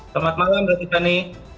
selamat malam dr tiffany